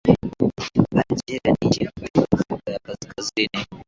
Algeria ni nchi kutoka Afrika ya Kaskazini